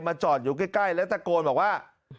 จอดอยู่ใกล้แล้วตะโกนบอกว่า